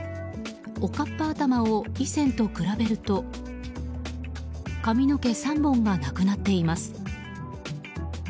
おかっぱ頭を以前と比べると髪の毛３本がなくなっています。